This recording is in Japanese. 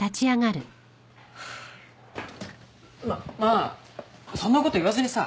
ままあそんなこと言わずにさ。